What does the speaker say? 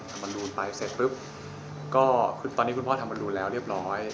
ทำบรรลุนไปเสร็จปุ๊บก็คือตอนนี้คุณพ่อทำบรรลุนแล้วเรียบร้อย